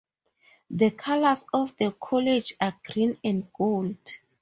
The colours of the college are green and gold.